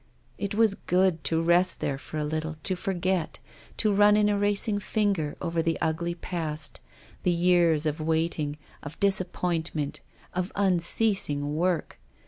It was good to rest there for a little, to forget, to ran an erasing finger over the ugly 300 THE 8T0RY OF A MODERN WOMAN pas^ the years of waiting, of disappointment, of unceasing work.